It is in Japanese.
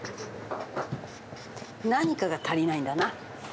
何かが足りないんだな。